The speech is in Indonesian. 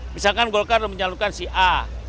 misalkan golkar menyalurkan si a